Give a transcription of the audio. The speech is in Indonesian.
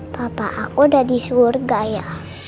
papa aku udah di surga ya